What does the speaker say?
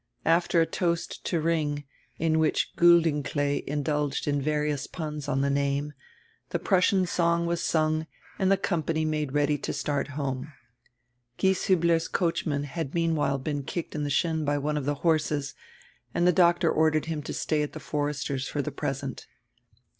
After a toast to Ring, in which Giildenklee indulged in various puns on die name, die Prussian song was sung and die company made ready to start home. Gieshiibler's coachman had mean while been kicked in the shin by one of die horses and die doctor ordered him to stay at die Forester's for die pres ent.